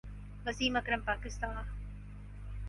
Wasim Akram Pakistan